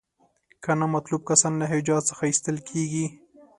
که نامطلوب کسان له حجاز څخه ایستل کیږي.